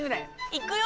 いくよ！